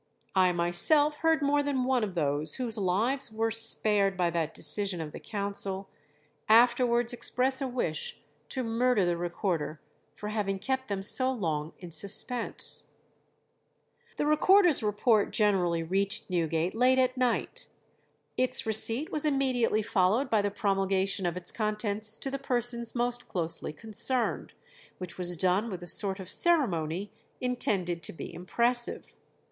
I myself heard more than one of those whose lives were spared by that decision of the council, afterwards express a wish to murder the Recorder for having kept them so long in suspense." The Recorder's report generally reached Newgate late at night. Its receipt was immediately followed by the promulgation of its contents to the persons most closely concerned, which was done with a sort of ceremony intended to be impressive.